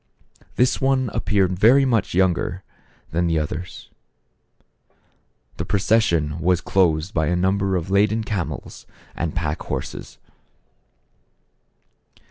This one ap peared very much younger than the others. The procession was closed by a number of laden camels and pack horses.